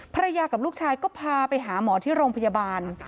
ภรรยากับลูกชายก็พาไปหาหมอที่โรงพยาบาล